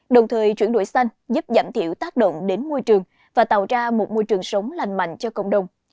đồng thời chuyển đổi xanh giúp giảm thiểu tác động đến môi trường và tạo ra một môi trường sống lành mạnh cho cộng đồng